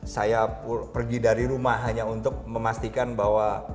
saya pergi dari rumah hanya untuk memastikan bahwa